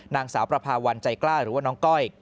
นางสาวประพาวันใจกล้าหรือว่าน้องก้อย